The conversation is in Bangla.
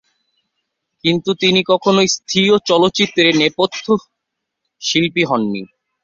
কিন্তু তিনি কখনো স্বীয় চলচ্চিত্রে নেপথ্য শিল্পী হননি।